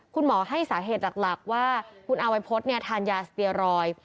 คุณหมอให้สาเหตุหลักว่าคุณอาวัยพฤษทานยาสเตียรอยด์